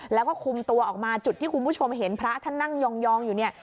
แล้วก็คุมตัวออกมาจุดที่คุณผู้ชมเห็นพระท่านนั่งยองอยู่เนี่ย